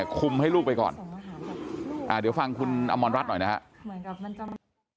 คุมให้ลูกไปก่อนเดี๋ยวฟังคุณอมรรดิหน่อยนะฮะ